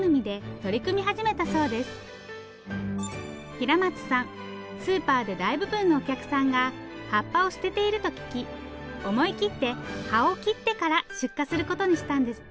平松さんスーパーで大部分のお客さんが葉っぱを捨てていると聞き思い切って葉を切ってから出荷することにしたんですって